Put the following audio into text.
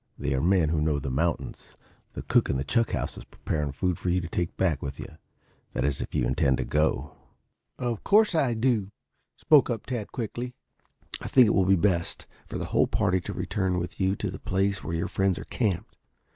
They are men who know the mountains. The cook in the chuck house is preparing food for you to take back with you that is if you intend to go " "Of course I do," spoke up Tad quickly. "I think it will be best for the whole party to return with you to the place where your friends are camped.